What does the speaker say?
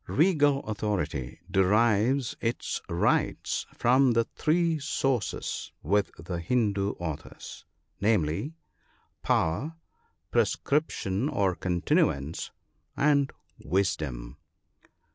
— Regal authority derives its rights from three sources with the Hindoo authors — viz. Power, Prescription or continuance, and Wisdom.